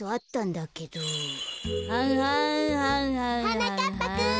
はなかっぱくん！